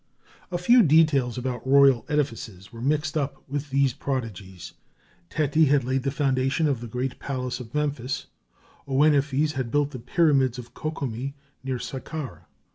A few details about royal edifices were mixed up with these prodigies. Teti had laid the foundation of the great palace of Memphis, Ouenephes had built the pyramids of Ko kome near Saqqara.